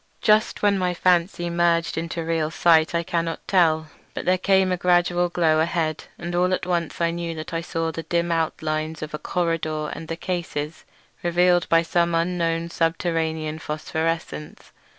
Just when my fancy merged into real sight I cannot tell; but there came a gradual glow ahead, and all at once I knew that I saw the dim outlines of the corridor and the cases, revealed by some unknown subterranean phosphorescence.